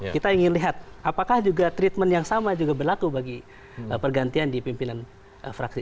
kita ingin lihat apakah juga treatment yang sama juga berlaku bagi pergantian di pimpinan fraksi